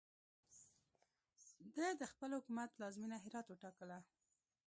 ده د خپل حکومت پلازمینه هرات ښار وټاکله.